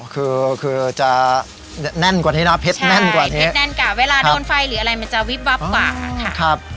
คือคือจะแน่นกว่านี้นะเพชรแน่นกว่านี้เพชรแน่นกว่าเวลาโดนไฟหรืออะไรมันจะวิบวับกว่าค่ะ